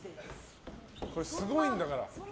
これ、すごいんだから。